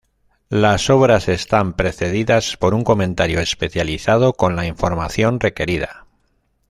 Las obras están precedidas por un comentario especializado con la información requerida.